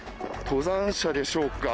登山者でしょうか。